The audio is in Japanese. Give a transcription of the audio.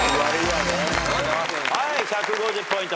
はい１５０ポイント